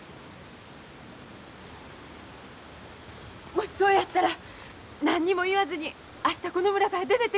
もしそうやったら何にも言わずに明日この村から出てってください。